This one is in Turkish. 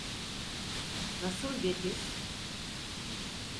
Nasıl bir his?